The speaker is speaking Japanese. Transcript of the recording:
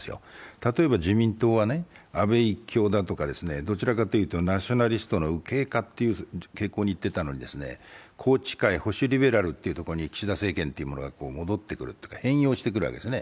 例えば自民党は安倍一強だとか、どちらかというとナショナリストの右傾かという傾向にいっていたのが、宏池会、保守リベラルというものに岸田政権が戻ってくるというか、変容してくるわけですよね。